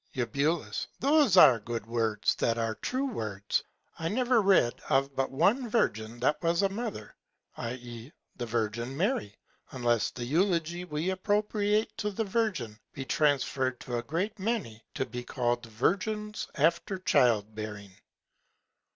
Eu. Those are good Words that are true Words. I never read of but one Virgin that was a Mother, i.e. the Virgin Mary, unless the Eulogy we appropriate to the Virgin be transferr'd to a great many to be call'd Virgins after Childbearing.